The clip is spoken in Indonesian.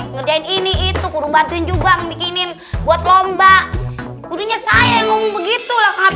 ngerjain ini itu kurang bantuin juga bikinin buat lomba budinya saya ngomong begitu lah